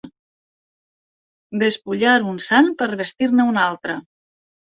Despullar un sant per vestir-ne un altre.